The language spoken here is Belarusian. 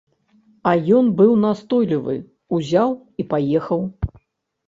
А ён быў настойлівы, узяў і паехаў.